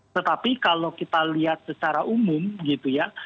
tetapi kalau kita lihat secara umum gitu ya